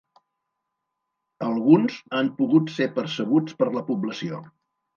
Alguns han pogut ser percebuts per la població.